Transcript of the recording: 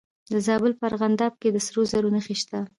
د زابل په ارغنداب کې د سرو زرو نښې شته.